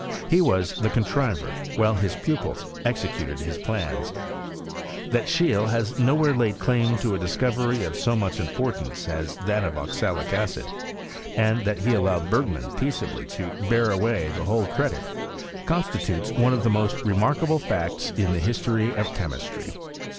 He was the contriver, while his pupils executed his plans. That Scheele has nowhere laid claim to a discovery of so much importance as that of oxalic acid, and that he allow ed Ber§;man peaceably to bear away the whole credit, constitutes one of the most remarkable facts in the history of chemistry.